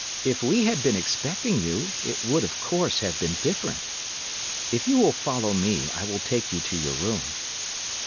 If we had been expecting you, it would, of course, have been different. If you will follow me, I will take you to your room.